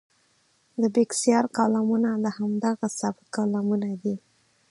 د بېکسیار کالمونه د همدغه سبک کالمونه دي.